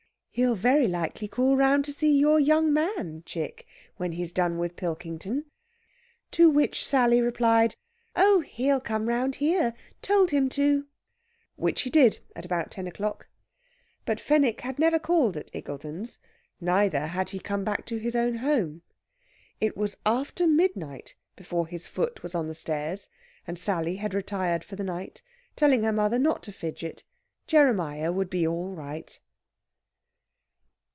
"He'll very likely call round to see your young man, chick, when he's done with Pilkington." To which Sally replied, "Oh, he'll come round here. Told him to!" Which he did, at about ten o'clock. But Fenwick had never called at Iggulden's, neither had he come back to his own home. It was after midnight before his foot was on the stairs, and Sally had retired for the night, telling her mother not to fidget Jeremiah would be all right.